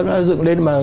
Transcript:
nó dựng lên mà